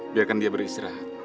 biarkan dia beristirahat